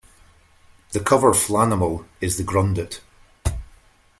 The cover Flanimal is the Grundit.